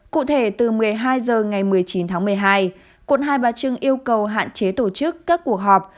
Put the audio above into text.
cụ thể từ một mươi hai h ngày một mươi chín tháng một mươi hai quận hai bà trưng yêu cầu hạn chế tổ chức các cuộc họp